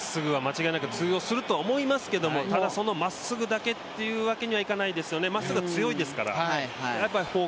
あのまっすぐは間違いなく通用すると思いますけど、ただ、そのまっすぐだけというわけにはいかないですよね。